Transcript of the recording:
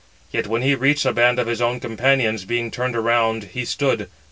Yet when he reached the band of his own companions, being turned round, he stood.